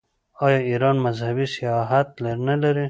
آیا ایران مذهبي سیاحت نلري؟